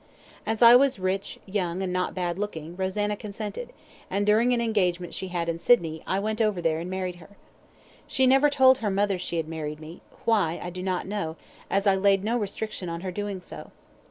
As I was rich, young, and not bad looking, Rosanna consented, and, during an engagement she had in Sydney, I went over there and married her. She never told her mother she had married me, why, I do not know, as I laid no restriction on her doing so.